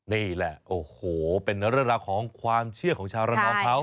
นี่แหละโอ้โหเป็นเรื่องราวของความเชื่อของชาวระนองเขา